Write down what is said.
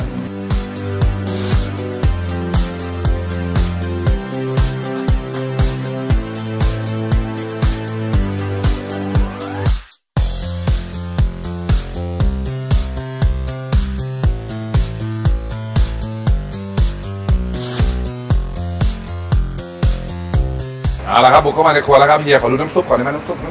เอาละครับบุกเข้ามาในครัวแล้วครับเฮียขอดูน้ำซุปก่อนได้ไหมน้ำซุปนะ